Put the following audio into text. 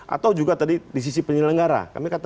atau juga tadi di sisi penyelenggara